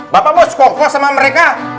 bapak mau sekoko sama mereka